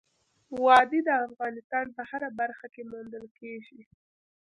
وادي د افغانستان په هره برخه کې موندل کېږي.